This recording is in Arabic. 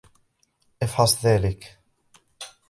إفحص ذلك.